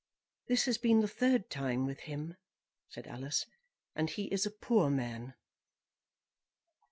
"This has been the third time with him," said Alice, "and he is a poor man."